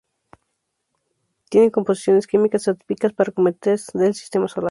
Tienen composiciones químicas atípicas para cometas del sistema solar.